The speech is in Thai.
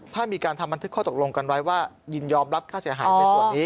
ถ้ามีการทำบันทึกข้อตกลงกันไว้ว่ายินยอมรับค่าเสียหายในส่วนนี้